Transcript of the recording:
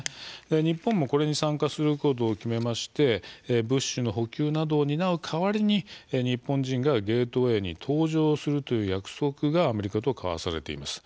日本も参加することを決めまして物資の補給などを担う代わりに日本人がゲートウェイに搭乗する約束がアメリカと交わされています。